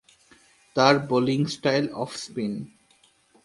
তার bowling style off spin.